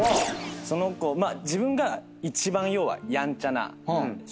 その子自分が一番要はやんちゃな小学生。